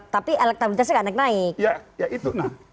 tapi elektabilitasnya kan naik naik